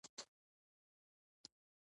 هغه په کندهار کې ډبرلیکونه لرل